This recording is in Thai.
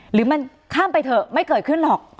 หรือมันข้ามไปเถอะไม่เกิดขึ้นหรอก